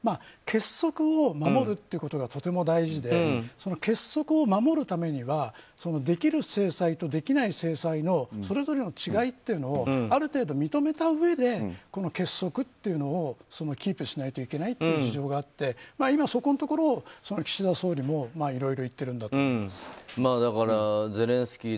結束を守るってことがとても大事で結束を守るためにはできる制裁とできない制裁のそれぞれの違いというのをある程度認めたうえでこの結束をキープしないといけない事情があって今、そこのところを岸田総理もいろいろ言ってるんだと思います。